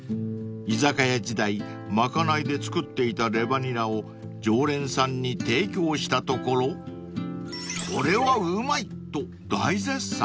［居酒屋時代賄いで作っていたレバにらを常連さんに提供したところこれはうまいと大絶賛］